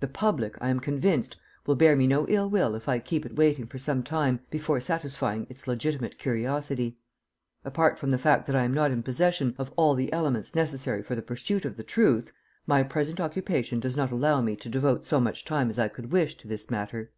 "The public, I am convinced, will bear me no ill will if I keep it waiting for some time before satisfying its legitimate curiosity. Apart from the fact that I am not in possession of all the elements necessary for the pursuit of the truth, my present occupation does not allow me to devote so much time as I could wish to this matter.